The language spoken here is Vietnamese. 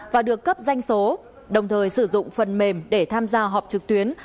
và được cấp danh số đồng thời sử dụng phần mềm để tham gia họp trực tuyến